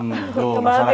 enggak peres kok